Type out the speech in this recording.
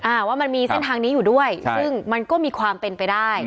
ว่ามันมีเส้นทางนี้อยู่ด้วยซึ่งมันก็มีความเป็นไปได้